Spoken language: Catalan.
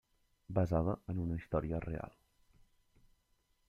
Basada en una història real.